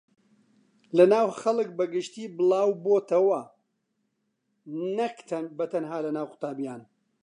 لەناو خەڵک بەگشتی بڵاوبۆتەوە نەک بەتەنها لەناو قوتابییان